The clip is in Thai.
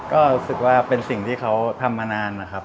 ก็รู้สึกว่าเป็นสิ่งที่เขาทำมานานนะครับ